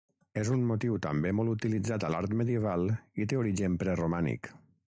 És un motiu també molt utilitzat a l'art medieval i té origen preromànic.